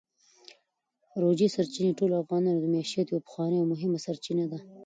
ژورې سرچینې د ټولو افغانانو د معیشت یوه پخوانۍ او مهمه سرچینه ده.